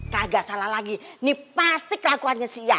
gagah salah lagi ini pasti kelakuannya si ian